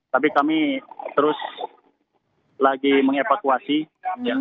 tapi kami terus lagi mengevakuasi yang